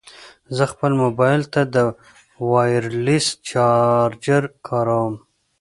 زه خپل مبایل ته د وایرلیس چارجر کاروم.